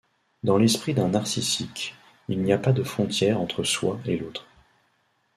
Dans l'esprit d'un narcissique, il n'y a pas de frontière entre soi et l'autre.